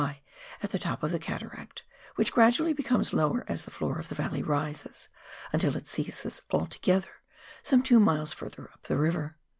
high, at the top of the cataract, which gradually becomes lower as the floor of the valley rises, until it ceases altogether some two miles further up the river.